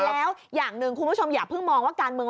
แล้วอย่างหนึ่งคุณผู้ชมอย่าเพิ่งมองว่าการเมือง